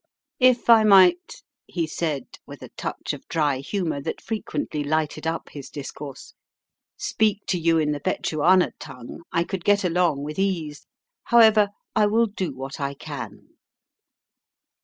"If I might," he said, with a touch of dry humour that frequently lighted up his discourse, "speak to you in the Betchuana tongue I could get along with ease. However, I will do what I can."